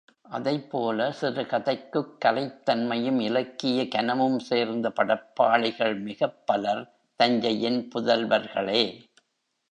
அதைப்போல சிறுகதைக்குக் கலைத் தன்மையும் இலக்கிய கனமும் சேர்த்த படைப்பாளிகள் மிகப்பலர் தஞ்சையின் புதல்வர்களே.